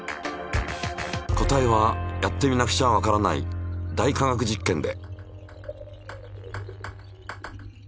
答えはやってみなくちゃわからない「大科学実験」で。